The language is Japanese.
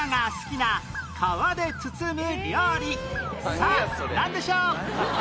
さあなんでしょう？